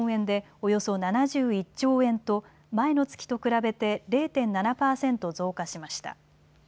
およそ７１兆円と前の月と比べて０．７％増加しました。